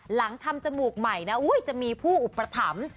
หลังทำจมูกใหม่นะจะมีผู้อุปถัมภ์